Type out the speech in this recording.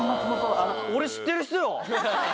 俺知ってる人よ！